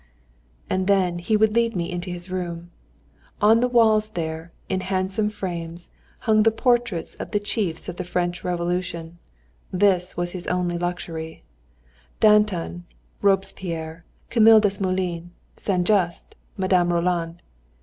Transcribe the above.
And then he would lead me into his room. On the walls there, in handsome frames, hung the portraits of the chiefs of the French Revolution this was his only luxury Danton, Robespierre, Camille Desmoulins, Saint Juste, Madame Roland.